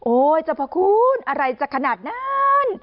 โอ้ยจะพอคุ้นอะไรจะขนาดนั้น